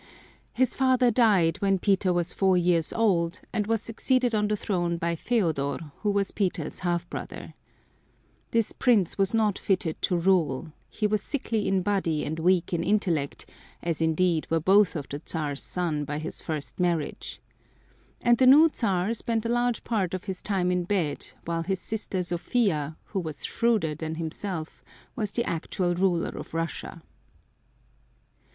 His father died when Peter was four years old and was succeeded on the throne by Feodor, who was Peter's half brother. This prince was not fitted to rule. He was sickly in body and weak in intellect, as indeed were both of the Czar's sons by his first marriage. And the new Czar spent a large part of his time in bed while his sister Sophia, who was shrewder than himself, was the actual ruler of Russia.